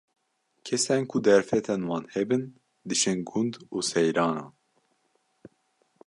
Kesên ku derfetên wan hebin, diçin gund û seyranan.